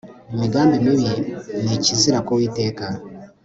imigambi mibi ni ikizira ku uwiteka